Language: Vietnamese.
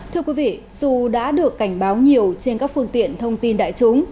thưa quý vị dù đã được cảnh báo nhiều trên các phương tiện thông tin đại chúng